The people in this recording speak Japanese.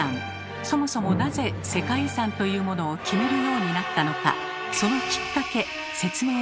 そもそもなぜ世界遺産というものを決めるようになったのかそのきっかけ説明できますか？